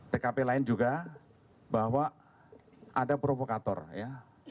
tkp lain juga bahwa ada provokator ya